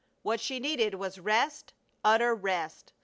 What she needed was rest, utter rest.